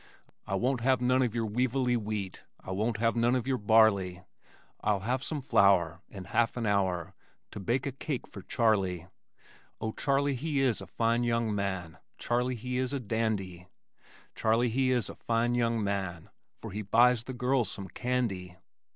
I won't have none of your weevilly wheat I won't have none of your barley, I'll have some flour In half an hour To bake a cake for Charley. Oh, Charley, he is a fine young man, Charley he is a dandy, Charley he is a fine young man For he buys the girls some candy.